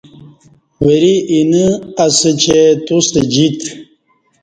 وری اینہ اسہ چہ توستہ جیت